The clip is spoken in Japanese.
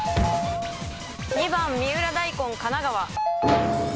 ２番三浦大根神奈川。